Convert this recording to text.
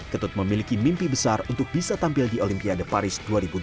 ketut memiliki mimpi besar untuk bisa tampil di olimpiade paris dua ribu dua puluh